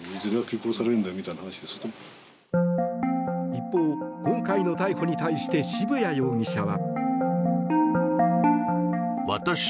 一方、今回の逮捕に対して渋谷容疑者は。